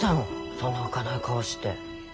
そんな浮かない顔して。